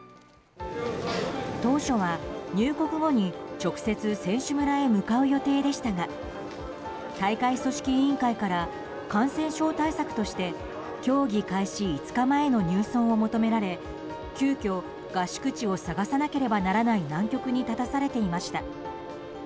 当初は入国後に直接選手村へ向かう予定でしたが大会組織委員会から感染症対策として競技開始５日前の入村を求められ急きょ、合宿地を探さなければならない難局に立たされていました。